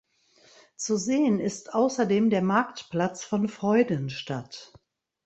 Zu sehen ist außerdem der Marktplatz von Freudenstadt.